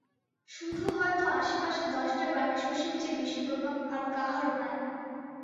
শুধু হয়তো আশেপাশে দশটা গ্রামে শশীর চেয়ে বেশি প্রভাব আর কাহারো নাই!